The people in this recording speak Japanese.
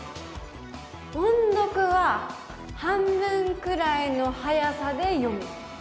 「音読は半分くらいのはやさで読む」。